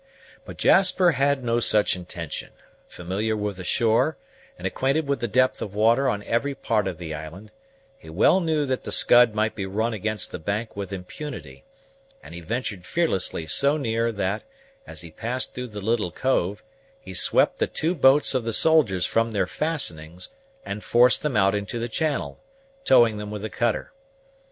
But Jasper had no such intention: familiar with the shore, and acquainted with the depth of water on every part of the island, he well knew that the Scud might be run against the bank with impunity, and he ventured fearlessly so near, that, as he passed through the little cove, he swept the two boats of the soldiers from their fastenings and forced them out into the channel, towing them with the cutter.